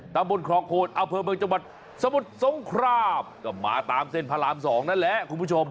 ตำบลคลองโคนอำเภอเมืองจังหวัดสมุทรสงครามก็มาตามเส้นพระราม๒นั่นแหละคุณผู้ชม